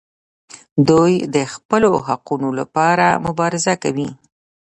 دوی د خپلو حقونو لپاره مبارزه کوي.